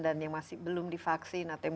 dan yang masih belum divaksin atau yang